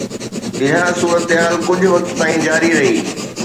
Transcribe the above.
اها صورتحال ڪجهه وقت تائين جاري رهي.